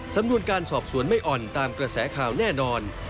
สำนวนการสอบสวนไม่อ่อนตามกระแสข่าวแน่นอน